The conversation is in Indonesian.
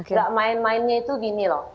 tidak main mainnya itu begini loh